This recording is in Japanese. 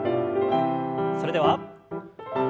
それでは１。